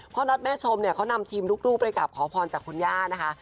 น็อตแม่ชมเนี่ยเขานำทีมลูกไปกลับขอพรจากคุณย่านะคะ